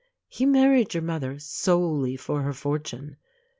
He married your mother solely for her fortune.